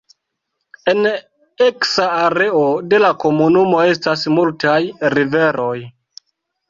En eksa areo de la komunumo estas multaj riveroj.